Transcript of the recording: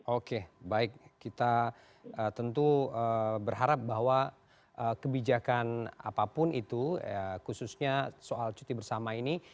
oke baik kita tentu berharap bahwa kebijakan apapun itu khususnya soal cuti bersama ini